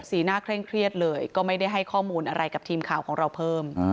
หน้าเคร่งเครียดเลยก็ไม่ได้ให้ข้อมูลอะไรกับทีมข่าวของเราเพิ่ม